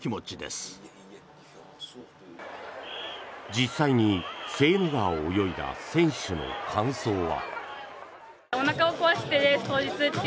実際にセーヌ川を泳いだ選手の感想は。